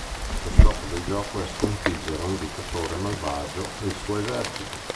Lo scopo del gioco è sconfiggere un dittatore malvagio e il suo esercito.